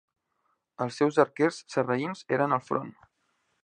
Els seus arquers sarraïns eren al front.